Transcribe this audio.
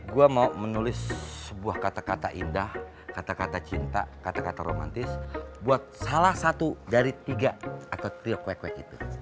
gue mau menulis sebuah kata kata indah kata kata cinta kata kata romantis buat salah satu dari tiga atau trio kue kue itu